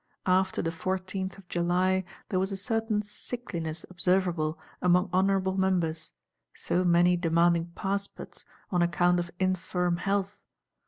After the Fourteenth of July there was a certain sickliness observable among honourable Members; so many demanding passports, on account of infirm health.